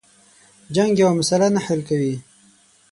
جنگ یوه مسله نه حل کوي.